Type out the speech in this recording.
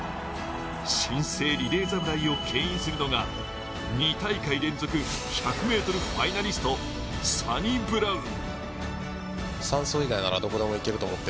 新生リレー侍をけん引するのが２大会連続１００ｍファイナリスト、サニブラウン。